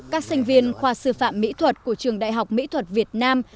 các sinh viên khoa sư phạm mỹ thuật của trường đại học mỹ thuật việt nam